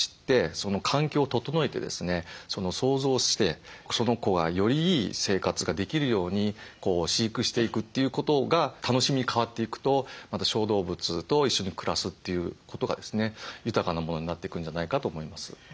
想像してその子がよりいい生活ができるように飼育していくということが楽しみに変わっていくとまた小動物と一緒に暮らすということがですね豊かなものになっていくんじゃないかと思います。